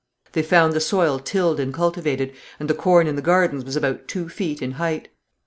They found the soil tilled and cultivated, and the corn in the gardens was about two feet in height.